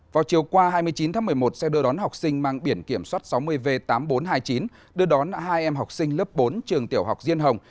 vào chiều qua hai mươi chín tháng một mươi một xe đưa đón học sinh mang biển kiểm soát sáu mươi v tám nghìn bốn trăm hai mươi chín đưa đón hai em học sinh lớp bốn trường tiểu học diên hồng